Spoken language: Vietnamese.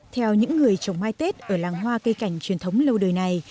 theo những người trồng mai tết ở làng hoa cây cảnh truyền thống lâu đời này